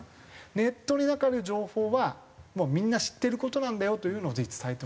ネットの中の情報はもうみんな知ってる事なんだよというのをぜひ伝えて。